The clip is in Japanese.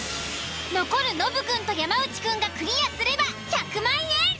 残るノブくんと山内くんがクリアすれば１００万円！